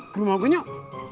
guru mau gue nyok